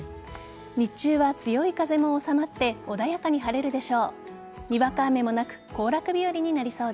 日中は、強い風も収まって穏やかに晴れるでしょう。